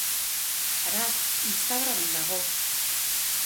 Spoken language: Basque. Hara, Instagramen dago!